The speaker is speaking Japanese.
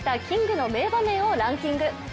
キングの名場面をランキング。